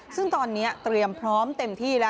ซึ่งตอนนี้เตรียมพร้อมเต็มที่แล้ว